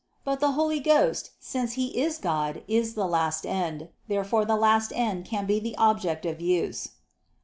But the Holy Ghost, since He is God, is the last end. Therefore the last end can be the object of use.